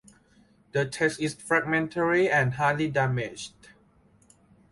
The text is fragmentary and highly damaged.